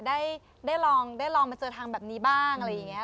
ได้ลองมาเจอทางแบบนี้บ้างอะไรอย่างเงี้ย